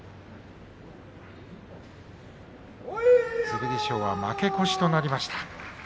剣翔は負け越しとなりました。